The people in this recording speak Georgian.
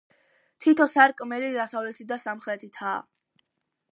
თითო სარკმელი დასავლეთით და სამხრეთითაა.